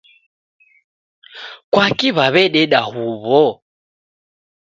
Kwaki waweadeda huw'o?